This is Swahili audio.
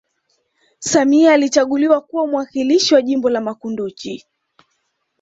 samia alichaguliwa kuwa mwakilishi wa jimbo la makunduchi